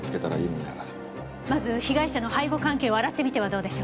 まず被害者の背後関係を洗ってみてはどうでしょう？